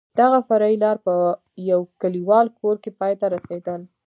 دغه فرعي لار په یو کلیوالي کور کې پای ته رسېدل.